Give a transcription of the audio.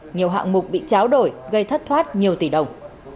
nhiều hạng mục bị cháo đổi gây thất thoát nhiều tỷ đồng